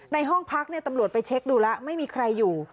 ในห้องพักตำรวจไปเช็คดูแล้วไม่มีใครอยู่